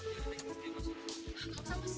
nggak usah mas